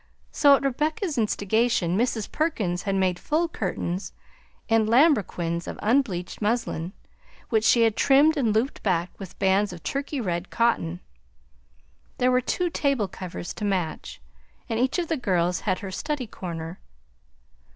So at Rebecca's instigation Mrs. Perkins had made full curtains and lambrequins of unbleached muslin, which she had trimmed and looped back with bands of Turkey red cotton. There were two table covers to match, and each of the girls had her study corner.